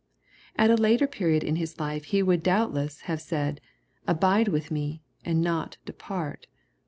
At a latex period in his life he would, doubtless, have said, '^ Abide with me," and not, '^ depart."